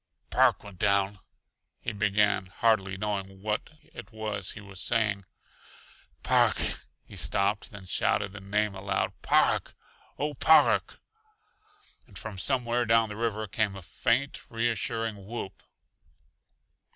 "Park went down," he began, hardly knowing what it was he was saying. "Park " He stopped, then shouted the name aloud. "Park! Oh h, Park!" And from somewhere down the river came a faint reassuring whoop.